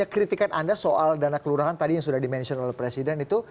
kritikan anda soal dana kelurahan tadi yang sudah dimention oleh presiden itu